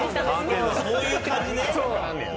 そういう感じね。